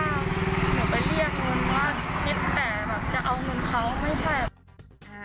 หนูไปเรียกเหมือนว่าเธอสแกแบบจะเอาเหมือนเขามันไม่ใช่